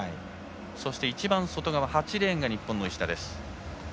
一番外側、８レーンが日本の石田です。